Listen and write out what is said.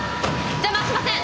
邪魔はしません。